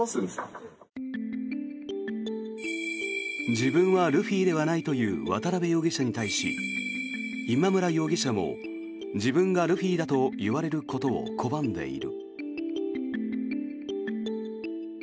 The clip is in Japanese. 自分はルフィではないという渡邉容疑者に対し今村容疑者も自分がルフィだと言われることを拒んでいる。